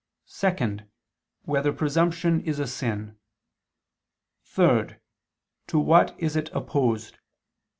(2) Whether presumption is a sin? (3) To what is it opposed?